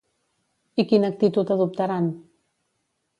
I quina actitud adoptaran?